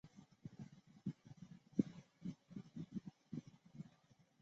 第三世措尼仁波切主要上师之一的阿德仁波切及亦在其座下学习。